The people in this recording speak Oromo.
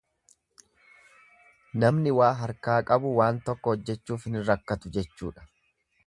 Namni waa harkaa qabu waan tokko hojjechuuf hin rakkatu jechuudha.